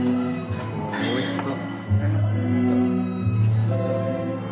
おいしそう。